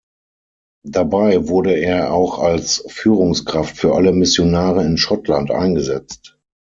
Dabei wurde er auch als Führungskraft für alle Missionare in Schottland eingesetzt.